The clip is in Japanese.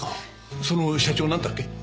その社長なんだっけ？